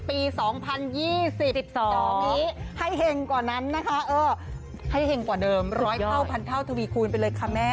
ปี๒๐๒๐๒นี้ให้เห็งกว่านั้นนะคะเออให้เห็งกว่าเดิมร้อยเท่าพันเท่าทวีคูณไปเลยค่ะแม่